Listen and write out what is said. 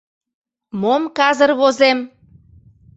Мом казыр возем